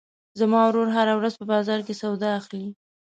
زما ورور هره ورځ په بازار کې سودا اخلي.